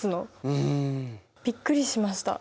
うん。びっくりしました。